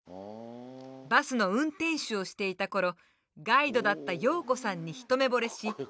バスの運転手をしていた頃ガイドだった洋子さんに一目ぼれし結婚。